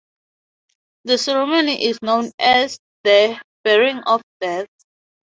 The ceremony is known as the "burying of Death".